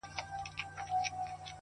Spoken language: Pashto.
قربانو زه له پيغورو بېرېږم؛